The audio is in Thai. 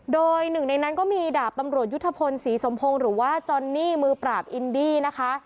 โดยหนึ่งในนั้นก็มีดาบตำรวจยุทธพลศรีสมพงศ์หรือว่าจอนนี่มือปราบอินดี้นะคะ